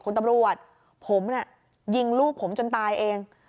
คุณตำรวจผมน่ะยิงลูกผมจนตายเอง